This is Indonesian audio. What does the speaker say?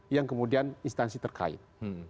yang kemudian instansi terkait